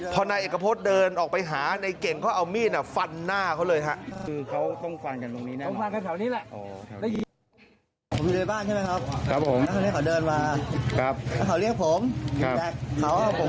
พอนายเอกพฤษเดินออกไปหาในเก่งเขาเอามีดฟันหน้าเขาเลยครับ